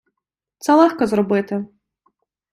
Це легко зробити!